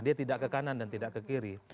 dia tidak ke kanan dan tidak ke kiri